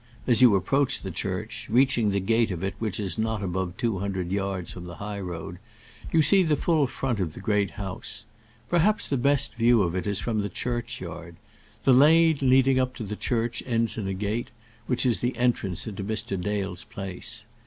As you approach the church, reaching the gate of it which is not above two hundred yards from the high road, you see the full front of the Great House. Perhaps the best view of it is from the churchyard. The lane leading up to the church ends in a gate, which is the entrance into Mr. Dale's place.